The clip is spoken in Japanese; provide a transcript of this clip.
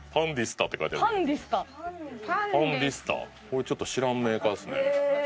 これちょっと知らんメーカーですね。